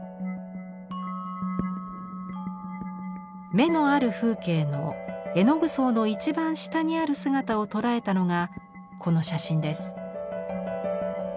「眼のある風景」の絵の具層の一番下にある姿を捉えたのがこの写真です。